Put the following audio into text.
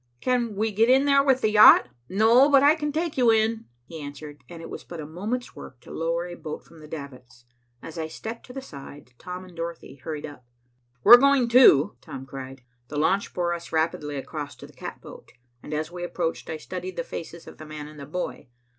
"Can we get in there with the yacht?" "No, but I can take you in," he answered, and it was but a moment's work to lower a boat from the davits. As I stepped to the side, Tom and Dorothy hurried up. "We're going, too," Tom cried. The launch bore us rapidly across to the catboat, and as we approached, I studied the faces of the man and the boy.